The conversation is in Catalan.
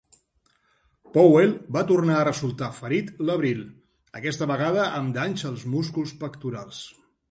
Powell va tornar a resultar ferit l'abril, aquesta vegada amb danys als músculs pectorals.